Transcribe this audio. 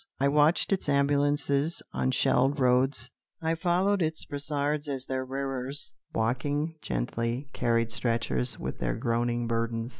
I watched its ambulances on shelled roads. I followed its brassards as their wearers, walking gently, carried stretchers with their groaning burdens.